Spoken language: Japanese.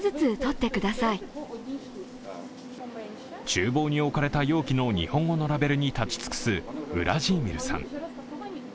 ちゅう房に置かれた容器の日本語のラベルに立ち尽くすウラジーミルさん。